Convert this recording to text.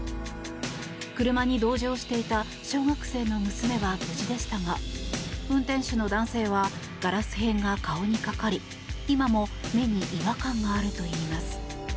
車に同乗していた小学生の娘は無事でしたが運転手の男性はガラス片が顔にかかり今も目に違和感があるといいます。